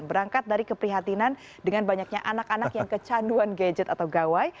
berangkat dari keprihatinan dengan banyaknya anak anak yang kecanduan gadget atau gawai